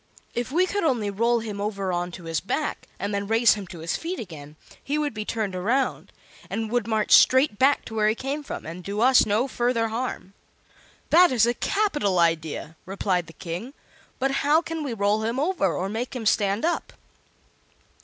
If we could only roll him over on to his back, and then raise him to his feet again, he would be turned around, and would march straight back to where he came from, and do us no further harm." "That is a capital idea," replied the King. "But how can we roll him over, or make him stand up?"